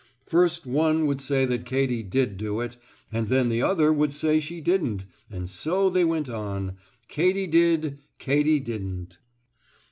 First one would say that Katy did do it and then the other would say she didn't, and so they went on: "Katy did!" "Katy didn't!"